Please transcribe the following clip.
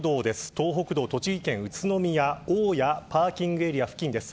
東北道、栃木県宇都宮大谷パーキングエリア付近です。